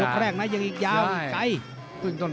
มียกแรกนะยังอีกยาวไกล